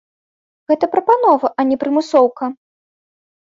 Гэта прапанова, а не прымусоўка.